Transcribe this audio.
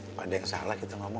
apa ada yang salah kita ngomong mak